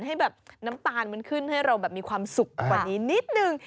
ให้แบบน้ำตาลมันขึ้นให้เราแบบมีความสุขกว่านี้นิดนึง